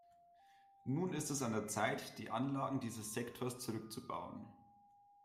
Nun ist es an der Zeit, die Anlagen dieses Sektors zurückzubauen.